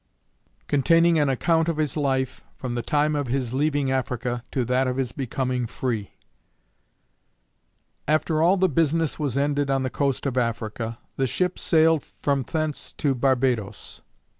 Containing an account of his life, from the time of his leaving Africa, to that of his becoming free. After all the business was ended on the coast of Africa, the ship sailed from thence to Barbadoes.